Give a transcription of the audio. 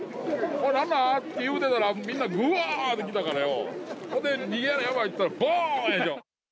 なんやって言ってたら、みんな、ぐわーって来たからよ、ほんで、逃げなやばいって言うてたら、ぼーんよ。